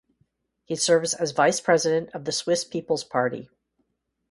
He serves as vice president of the Swiss People's Party.